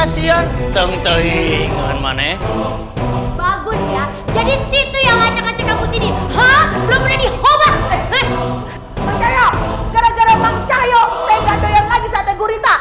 siang tentang mana bagus ya jadi situ yang ngacau ngacau ini belum dihubungi